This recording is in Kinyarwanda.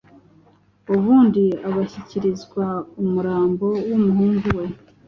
ubundi agashyikirizwa umurambo w umuhungu we